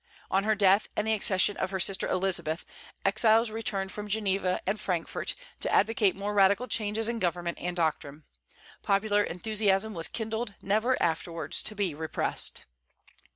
On her death, and the accession of her sister Elizabeth, exiles returned from Geneva and Frankfort to advocate more radical changes in government and doctrine. Popular enthusiasm was kindled, never afterwards to be repressed.